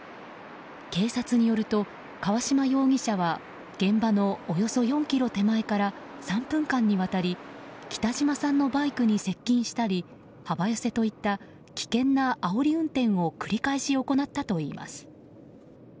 川島容疑者は現場のおよそ４ｋｍ手前から３分間にわたり北島さんのバイクに接近したり幅寄せといった危険なあおり運転を繰り返し行ったといいます。